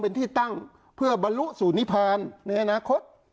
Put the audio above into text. เป็นที่ตั้งเพื่อบรรลุสู่นิพานในอนาคต